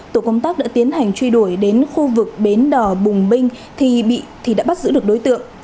tổ công tác đã tiến hành truy đuổi đến khu vực bến đỏ bùng binh thì đã bắt giữ được đối tượng